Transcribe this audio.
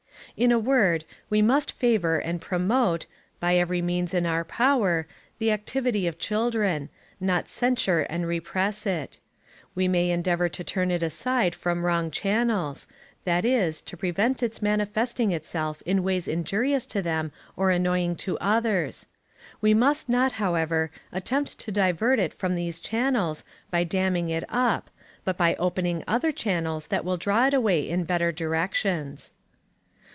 In a word, we must favor and promote, by every means in our power, the activity of children, not censure and repress it. We may endeavor to turn it aside from wrong channels that is, to prevent its manifesting itself in ways injurious to them or annoying to others. We must not, however, attempt to divert it from these channels by damming it up, but by opening other channels that will draw it away in better directions.